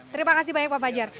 terima kasih banyak pak fajar